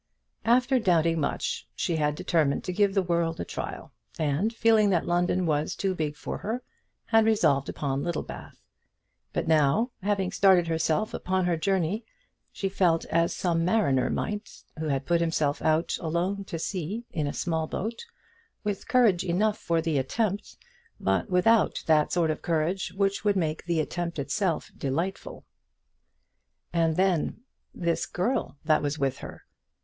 After doubting much, she had determined to give the world a trial, and, feeling that London was too big for her, had resolved upon Littlebath. But now, having started herself upon her journey, she felt as some mariner might who had put himself out alone to sea in a small boat, with courage enough for the attempt, but without that sort of courage which would make the attempt itself delightful. And then this girl that was with her!